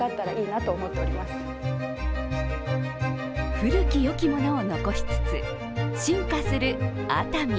古きよきものを残しつつ進化する熱海。